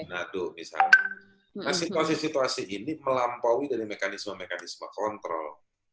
nah situasi situasi ini melampaui dari mekanisme mekanisme kontrol